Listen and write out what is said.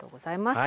はい。